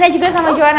saya juga sama joana